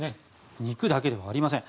肉だけではありません。